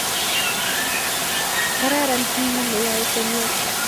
Kararan jii neyae chemyach